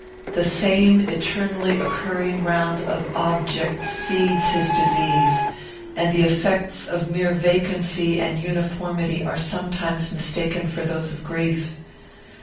The same eternally occurring round of objects feeds his disease, and the effects of mere vacancy and uniformity are sometimes mistaken for those of grief.